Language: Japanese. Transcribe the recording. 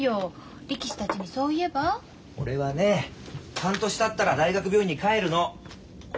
半年たったら大学病院に帰るの。